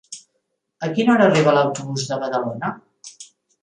A quina hora arriba l'autobús de Badalona?